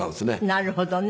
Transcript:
なるほどね。